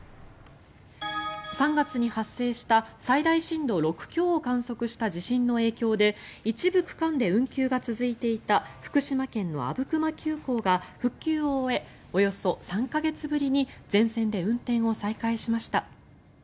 ３月に発生した最大震度６強を観測した地震の影響で一部区間で運休が続いていた福島県の阿武隈急行が復旧を終え、およそ３か月ぶりに全線で運転を再開しました。